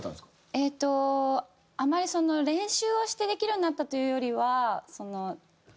えっとあまり練習をしてできるようになったというよりはその。